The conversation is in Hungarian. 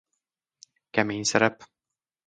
Kemény szerep.